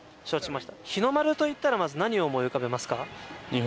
承知しました日の丸といったらまず何を思い浮かべますか？